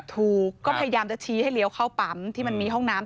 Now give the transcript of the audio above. ถูกก็พยายามจะชี้ให้เลี้ยวเข้าปั๊มที่มันมีห้องน้ำ